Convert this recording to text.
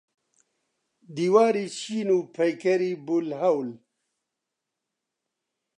دیواری چین و پەیکەری بولهەول.